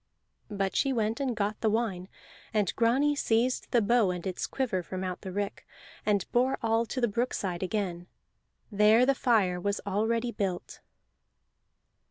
But she went and got the wine, and Grani seized the bow and its quiver from out the rick, and bore all to the brookside again. There the fire was already built.